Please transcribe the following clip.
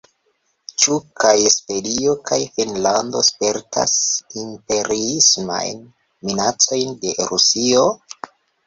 Ĉu kaj Svedio kaj Finnlando spertas imperiismajn minacojn de Rusio?